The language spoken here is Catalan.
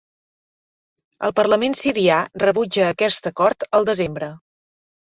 El Parlament sirià rebutja aquest acord el desembre.